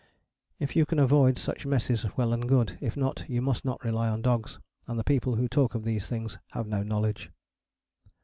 If you can avoid such messes well and good: if not, you must not rely on dogs, and the people who talk of these things have no knowledge.